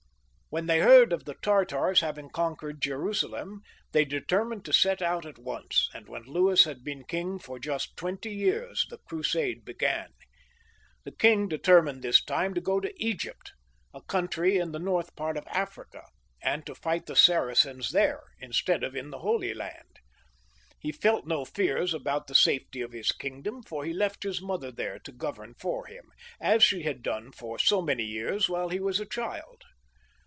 When they heard of the Tartars having conquered Jerusalem, they determined to set out at once, and when Louis had been king for just twenty years, the Crusade began. The king determined this time to go to Egypt, a country on the north side of Africa, and to fight the Sara cens there, instead of in the Holy Land. He felt no fears about the safety of his kingdom, for he left his mother there to govern for him, as she had done for so many years while he was a child.